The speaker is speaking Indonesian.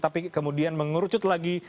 tapi kemudian mengerucut lagi